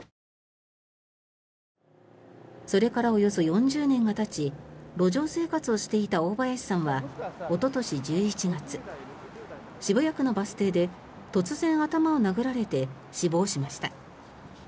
それからおよそ４０年がたち路上生活をしていた大林さんはおととし１１月渋谷区のバス停で突然頭を殴られて死亡しました。